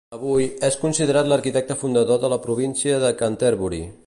Avui, és considerat l'arquitecte fundador de la província de Canterbury.